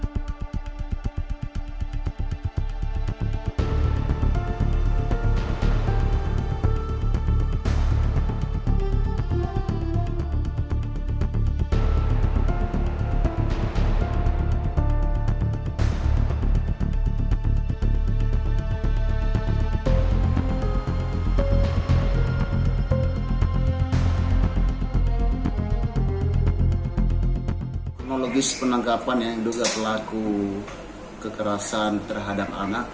teknologis penangkapan yang ada pelaku kekerasan terhadap anak